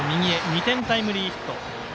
２点タイムリーヒット。